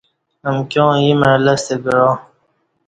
امکیاں ییں مع لستہ کعا